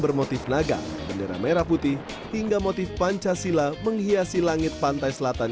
bermotif naga bendera merah putih hingga motif pancasila menghiasi langit pantai selatan